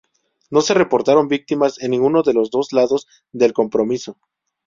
No se reportaron víctimas en ninguno de los dos lados del compromiso.